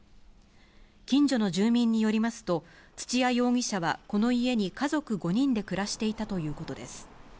近所の住民によりますと、土屋容疑者はこの家に家族５人で暮らしていたということです。